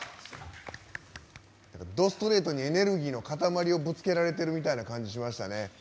どストレートにエネルギーの塊をぶつけられてるみたいな感じしましたね。